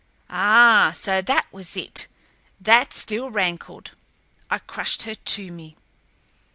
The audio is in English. Ah, so that was it! That still rankled. I crushed her to me.